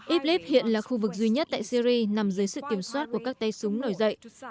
idlib hiện là khu vực duy nhất tại syri nằm dưới sự kiểm soát của các tay súng nổi dậy